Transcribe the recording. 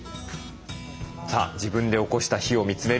さあ自分でおこした火を見つめる今井さん。